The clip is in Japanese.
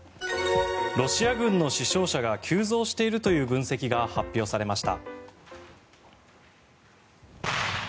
ロシア軍の死傷者が急増しているという分析が発表されました。